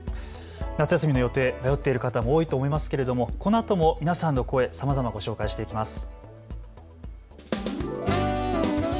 夏休みの予定、迷っている方多いと思いますけれどもこのあとも皆さんの声、さまざまご紹介していきます。